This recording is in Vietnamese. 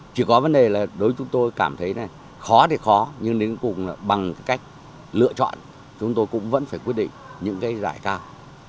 chỉ có vấn đề là đối với chúng tôi cảm thấy là khó thì khó nhưng đến cùng bằng cách lựa chọn chúng tôi cũng vẫn phải quyết định những cái giải cao